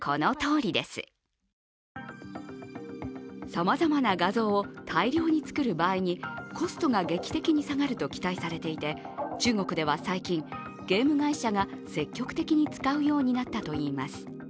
さまざまな画像を大量に作る場合にコストが劇的に下がると期待されていて中国では最近、ゲーム会社が積極的に使うようになったといいます。